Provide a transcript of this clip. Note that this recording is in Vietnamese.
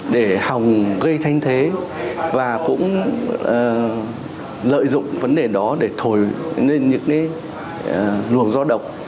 để hòng gây thanh thế và cũng lợi dụng vấn đề đó để thổi lên những luồng do độc